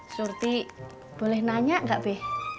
surti boleh nanya gak be